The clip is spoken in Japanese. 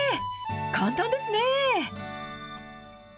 簡単ですね。